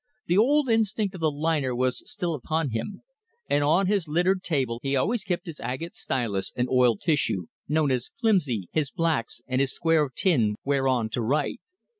The old instinct of the "liner" was still upon him, and on his littered table he always kept his agate stylus and oiled tissue, known as "flimsy," his "blacks" and his square of tin whereon to write.